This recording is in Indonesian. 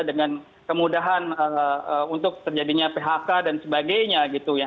dengan kemudahan untuk terjadinya phk dan sebagainya gitu ya